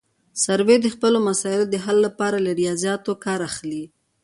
سروې د خپلو مسایلو د حل لپاره له ریاضیاتو کار اخلي